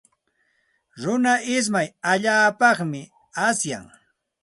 Runa ismay allaapaqmi asyan.